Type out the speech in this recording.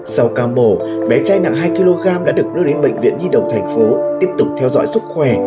sau cam bổ bé trai nặng hai kg đã được đưa đến bệnh viện nhi đồng tp tiếp tục theo dõi sức khỏe